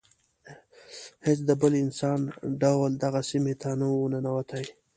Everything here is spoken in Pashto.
هیڅ بل انساني ډول دغه سیمې ته نه و ننوتی.